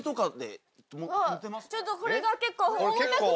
ちょっとこれが結構重たくて。